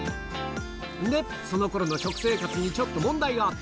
で、そのころの食生活にちょっと問題があった。